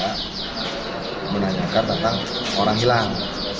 menanyakan tentang orang hilang